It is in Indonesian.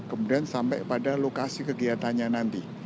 kemudian sampai pada lokasi kegiatannya nanti